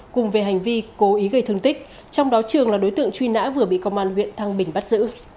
cùng về hành vi cố ý gây thương tích trong đó trường là đối tượng truy nã vừa bị công an huyện thăng bình bắt giữ